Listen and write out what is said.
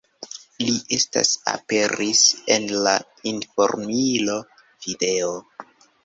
Li estas aperis en la Informilo Video.